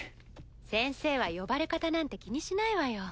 先生は呼ばれ方なんて気にしないわよ。